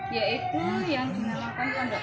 yaitu yang dinamakan pondok